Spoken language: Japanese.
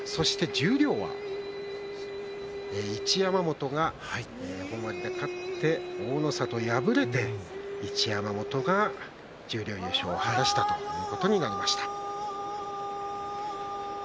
十両は一山本が本割で勝って大の里、敗れて一山本が十両優勝ということになりました。